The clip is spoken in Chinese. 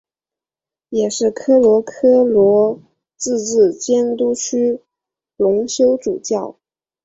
也是科罗科罗自治监督区荣休主教。